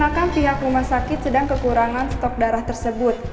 dikarenakan pihak rumah sakit sedang kekurangan stok darah tersebut